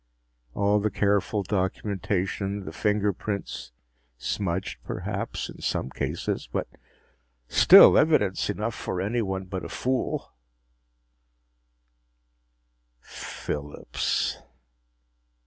All the careful documentation, the fingerprints smudged, perhaps, in some cases, but still evidence enough for anyone but a fool "Phillips?"